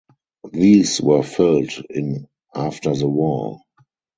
These were filled in after the war.